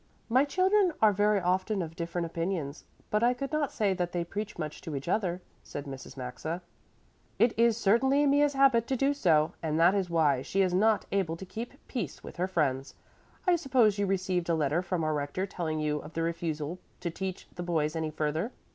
"My children are very often of different opinions, but I could not say that they preach much to each other," said Mrs. Maxa. "It is certainly Mea's habit to do so, and that is why she is not able to keep peace with her friends. I suppose you received a letter from our Rector telling you of the refusal to teach the boys any further."